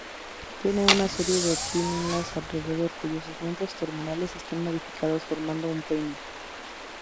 Tiene una serie de pínnulas alrededor, cuyos segmentos terminales están modificados formando un peine.